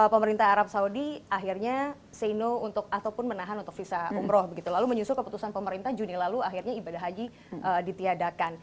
pemerintah arab saudi akhirnya say no untuk ataupun menahan untuk visa umroh begitu lalu menyusul keputusan pemerintah juni lalu akhirnya ibadah haji ditiadakan